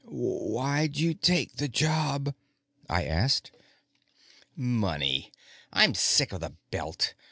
"Why'd you take the job?" I asked. "Money. I'm sick of the Belt.